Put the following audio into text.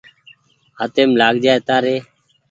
هآتيم لآگ جآئي تآري